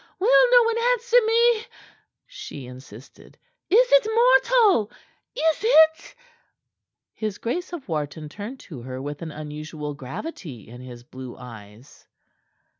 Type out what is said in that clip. "Will no one answer me?" she insisted. "Is it mortal? Is it?" His Grace of Wharton turned to her with an unusual gravity in his blue eyes.